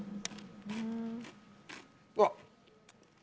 あっ。